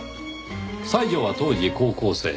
西條は当時高校生。